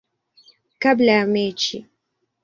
kabla ya mechi.